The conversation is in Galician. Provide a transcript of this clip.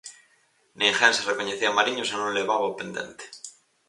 Ninguén se recoñecía mariño se non levaba o pendente.